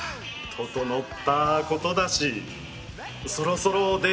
整ったことだしそろそろ出ようかな。